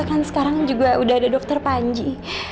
kan sekarang juga udah ada dokter panji